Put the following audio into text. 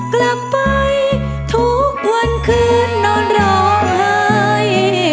กลับไปทุกวันคืนนอนร้องไห้